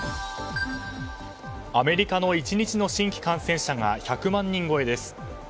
アメリカの１日の新規感染者が１００万人超えです。